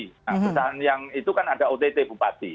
nah perusahaan yang itu kan ada ott bupati